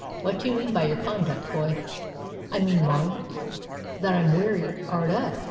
"What do you mean by your conduct, boy?" "I mean, marm, that I'm wery 'ard up.